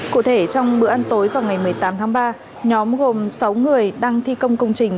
cụ thể trong bữa ăn tối vào ngày một mươi tám tháng ba nhóm gồm sáu người đang thi công công trình